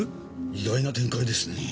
意外な展開ですね。